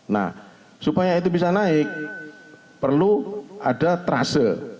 nah supaya itu bisa naik perlu ada trase